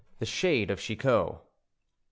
THE SHADE OF CHICOT.